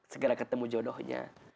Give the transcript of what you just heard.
segera ketemu jodohnya